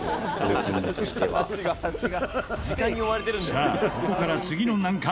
さあここから次の難関